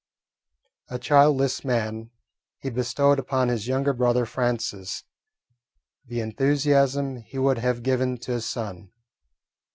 A childless man, he bestowed upon his younger brother, Francis, the enthusiasm he would have given to a son.